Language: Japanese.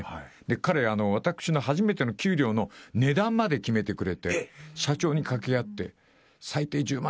彼、私の初めての給料の値段まで決めてくれて、社長に掛け合って、最低１０万